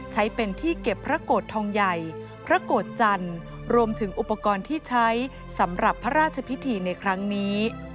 ใช้เป็นที่เก็บพระโกรธทองใหญ่พระโกรธจันทร์รวมถึงอุปกรณ์ที่ใช้สำหรับพระราชพิธีในครั้งนี้